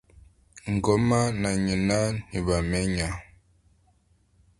Ngoma na nyina ntibamenya